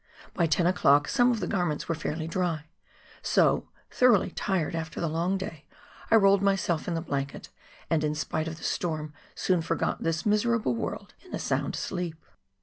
By 10 o'clock some of the garments were fairly dry, so — thoroughly tired after the long day — I rolled myself in the blanket, and in spite of the storm soon forgot this miserable world in a sound sleep.